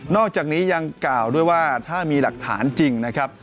อกจากนี้ยังกล่าวด้วยว่าถ้ามีหลักฐานจริงนะครับ